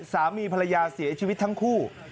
สามีภรรยาเสียชีวิตทั้งคู่